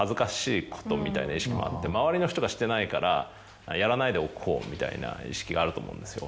みたいな意識もあって周りの人がしてないからやらないでおこうみたいな意識があると思うんですよ。